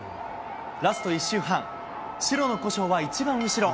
ラスト１周半、白の古性は一番後ろ。